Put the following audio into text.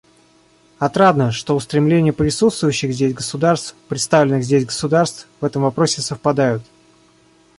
Отрадно, что устремления присутствующих здесь государств — представленных здесь государств — в этом вопросе совпадают.